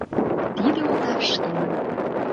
Тиде отар шкемын...